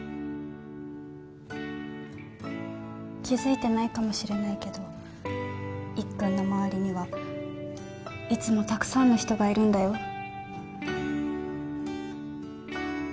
気づいてないかもしれないけどいっくんの周りにはいつもたくさんの人がいるんだよ。